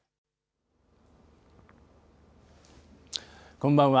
こんばんは。